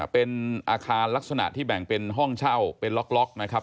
เป็นอาคารลักษณะที่แบ่งเป็นห้องเช่าเป็นล็อกนะครับ